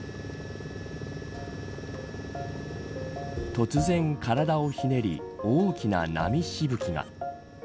突然体をひねり大きな波しぶきが。